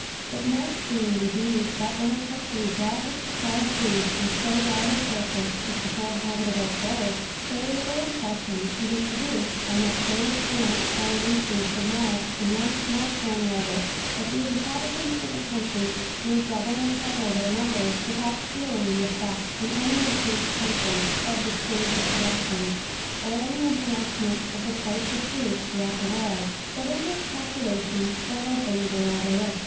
It might seem, indeed, that, when a country draws its supply of food from so wide a surface as the whole habitable globe, so little impression can be produced on that great expanse by any increase of mouths in one small corner of it that the inhabitants of the country may double and treble their numbers without feeling the effect in any increased tension of the springs of production, or any enhancement of the price of food throughout the world. But in this calculation several things are overlooked.